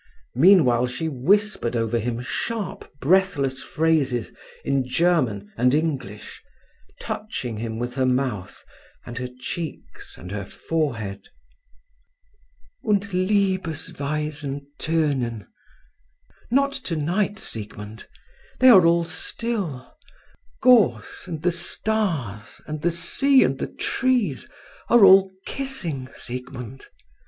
Meanwhile she whispered over him sharp, breathless phrases in German and English, touching him with her mouth and her cheeks and her forehead. "'Und Liebesweisen tönen' not tonight, Siegmund. They are all still gorse and the stars and the sea and the trees, are all kissing, Siegmund.